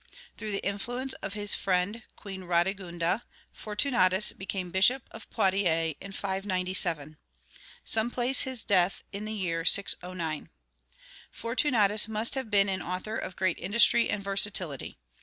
Through the influence of his friend Queen Rhadegunda, Fortunatus became Bishop of Poitiers in 597. Some place his death in the year 609. Fortunatus must have been an author of great industry and versatility.